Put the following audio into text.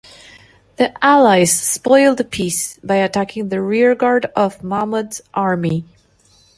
The allies spoiled the peace by attacking the rearguard of Mahmud's army.